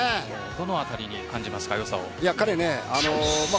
どのあたりに感じますか。